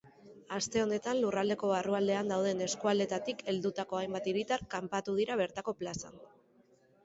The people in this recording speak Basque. Aste honetan lurraldeko barrualdean dauden eskualdeetatik heldutako hainbat hiritar kanpatu dira bertako plazan.